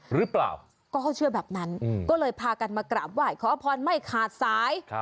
หรือเปล่าก็เขาเชื่อแบบนั้นก็เลยพากันมากราบไหว้ขอพรไม่ขาดสาย